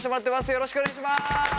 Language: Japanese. よろしくお願いします。